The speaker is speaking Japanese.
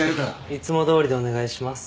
いつもどおりでお願いします。